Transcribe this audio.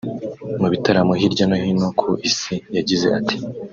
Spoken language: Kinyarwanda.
mu bitaramo hirya no hino ku isi yagize ati